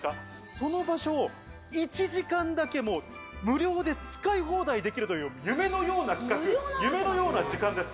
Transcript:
その場所を１時間だけ無料で使い放題できるという夢のような企画、夢のような時間です。